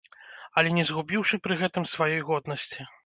Але не згубіўшы пры гэтым сваёй годнасці.